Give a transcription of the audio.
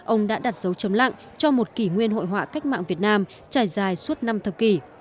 ông đã đặt dấu chấm lặng cho một kỷ nguyên hội họa cách mạng việt nam trải dài suốt năm thập kỷ